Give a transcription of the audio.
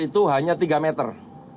itu hanya tiga meter